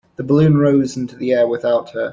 The balloon rose into the air without her.